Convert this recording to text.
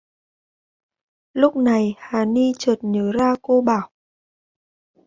Lúc này hà ni chợt nhớ ra cô bảo